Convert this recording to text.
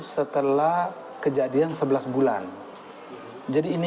setelah kejadian sebelas bulan jadi ini